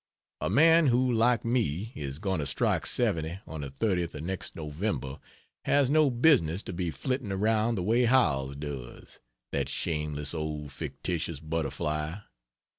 A man who like me, is going to strike 70 on the 30th of next November has no business to be flitting around the way Howells does that shameless old fictitious butter fly.